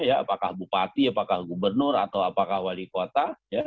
apakah bupati apakah gubernur atau apakah wali kota